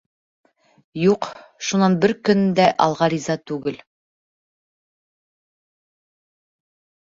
Юҡ, шунан бер көн дә алға риза түгел.